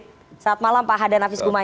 selamat malam pak hada nafis gumai